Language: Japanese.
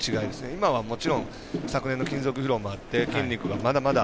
今はもちろん昨年の勤続疲労もあって筋肉がまだまだ。